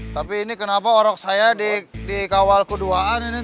tapi ini kenapa orang saya dikawal keduaan ini tuh